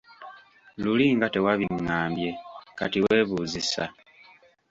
Luli nga tewabingambye, kati weebuuzisa.